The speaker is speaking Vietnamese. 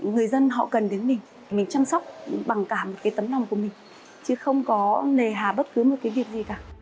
người dân họ cần đến mình mình chăm sóc bằng cả một cái tấm lòng của mình chứ không có nề hà bất cứ một cái việc gì cả